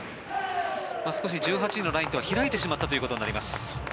少し１８位のラインとは開いてしまったということになります。